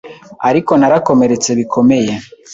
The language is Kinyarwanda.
ariko narakomeretse bikomeye